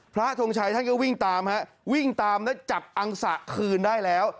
ทงชัยท่านก็วิ่งตามฮะวิ่งตามแล้วจับอังสะคืนได้แล้ว